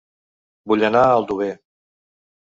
Vull anar a Aldover